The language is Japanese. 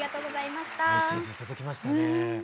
メッセージ届きましたね。